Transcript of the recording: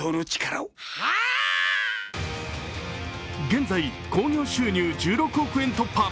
現在、興行収入１６億円突破。